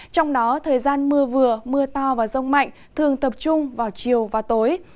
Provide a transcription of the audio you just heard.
trong đó thời gian mưa vừa mưa to và rông mạnh thường tập trung vào chiều và tối